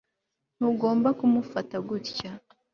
Ntugomba kumufata gutya